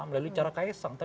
melalui cara kaisang